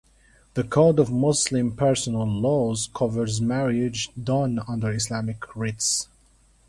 The Code of Muslim Personal Laws covers marriage done under Islamic rites.